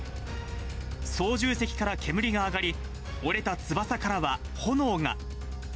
操縦席から煙が上がり、折れた翼からは炎が。